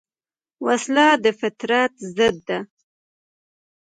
وسله د فطرت ضد ده